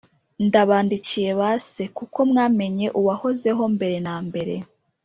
Ndabandikiye ba se, kuko mwamenye uwahozeho mbere na mbere.